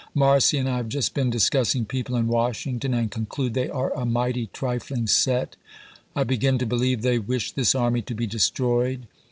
.. Marcy and I have just been discuss ing people in Washington, and conclude they are a ' mighty trifling set.' .. I begin to believe they wish this army to be destroyed.